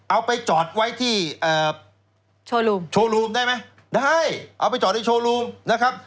เอาไปจอดไว้ที่โชว์รูมได้ไหมได้เอาไปจอดไว้ที่โชว์รูมนะครับ